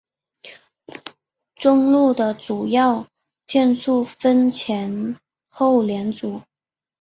中路的主要建筑分前后两组。